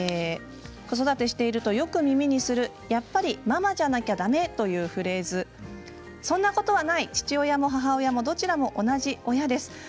子育てしているとよく耳にするやっぱりママじゃなきゃだめというフレーズ、そんなことはない父親も母親もどちらも同じ親です。